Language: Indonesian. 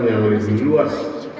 yang lebih luas